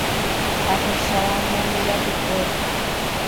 Ahecharamo nde rapykuere.